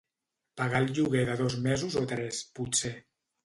Pagar el lloguer de dos mesos o tres, potser.